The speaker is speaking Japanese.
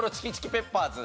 ペッパーズさん。